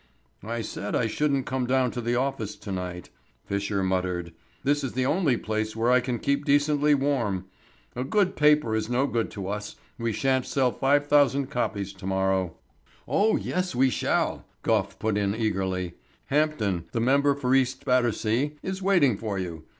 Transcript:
"I said I shouldn't come down to the office to night," Fisher muttered. "This is the only place where I can keep decently warm. A good paper is no good to us we shan't sell five thousand copies to morrow." "Oh, yes, we shall," Gough put in eagerly; "Hampden, the member for East Battersea, is waiting for you.